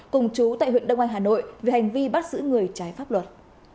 cùng chú tại huyện đông anh hà nội về hành vi bắt giữ người trái pháp luật